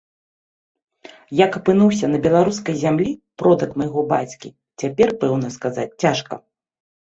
Як апынуўся на беларускай зямлі продак майго бацькі, цяпер пэўна сказаць цяжка.